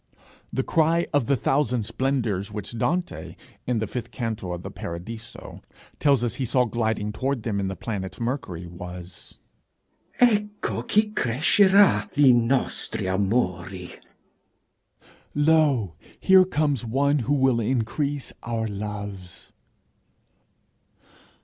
The cry of the thousand splendours which Dante, in the fifth canto of the 'Paradiso,' tells us he saw gliding toward them in the planet Mercury, was Ecco chi crescera li nostri amori! Lo, here comes one who will increase our loves!